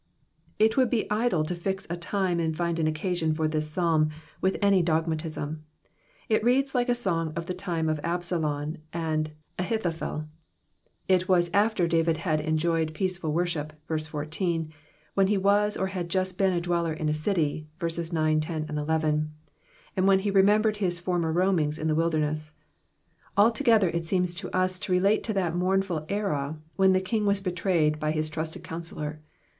— It would be idle to fix a time, and find an occasion for this Psalm with any dogmatism. It reads like a song of the time of Absalom and AhUhophel. It xjoas after David had enjoyed peaceful worship {verse 14), when he was or had just been a dweller in a cUy {verses 9, 10, 11), and when he remembered his forvMr roamings in the wilderness. AUo g^her U seems io us to relate to that mournful era when the King was betrayed by his trusted counsellor.